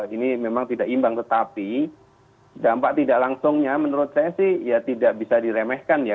ini memang tidak imbang tetapi dampak tidak langsungnya menurut saya sih ya tidak bisa diremehkan ya